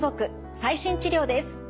最新治療です。